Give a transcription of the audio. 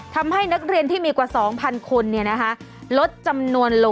ทำให้นักเรียนที่มีกว่า๒๐๐๐คนเนี่ยนะคะ